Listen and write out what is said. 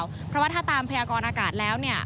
เพราะว่าถ้าตามพยากรณ์อากาศแล้ว